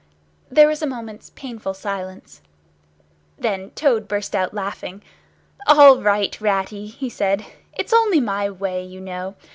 There was a moment's painful silence. Then Toad burst out laughing. "All right, Ratty," he said. "It's only my way, you know.